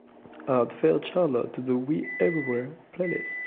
Add Fair Charlotte to the We Everywhere playlist.